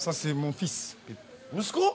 息子！？